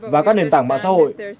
và các nền tảng mạng xã hội